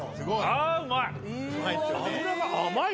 あうまい！